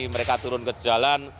mereka turun ke jalan